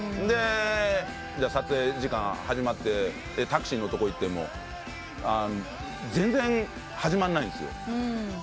で撮影時間始まってタクシーのとこ行っても全然始まんないんですよ。